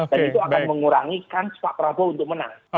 dan itu akan mengurangikan pak prabowo untuk menang